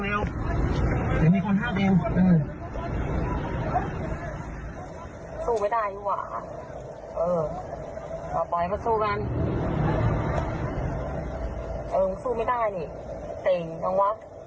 อย่าให้มีคนร่าตัวตัว